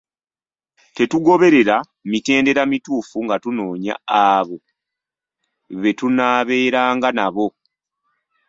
Tetugoberera mitendera mituufu nga tunoonya abo be tunaabeeranga nabo.